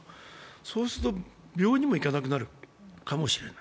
そうすると病院にも行かなくなるかもしれない。